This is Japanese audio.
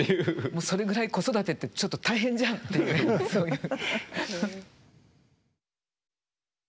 もうそれぐらい子育てってちょっと大変じゃんっていうそういう。